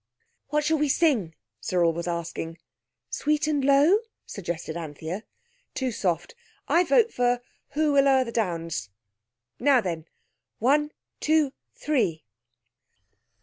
"What shall we sing?" Cyril was asking. "Sweet and low?" suggested Anthea. "Too soft—I vote for 'Who will o'er the downs'. Now then—one, two, three.